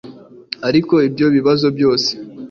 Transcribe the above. ariko ibyo bibazo byose